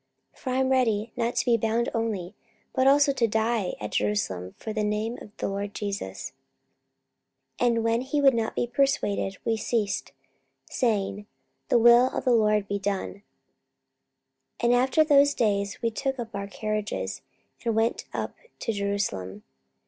for I am ready not to be bound only, but also to die at Jerusalem for the name of the Lord Jesus. 44:021:014 And when he would not be persuaded, we ceased, saying, The will of the Lord be done. 44:021:015 And after those days we took up our carriages, and went up to Jerusalem.